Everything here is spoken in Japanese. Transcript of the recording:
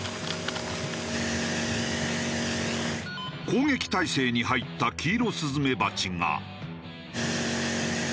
攻撃体勢に入ったキイロスズメバチが。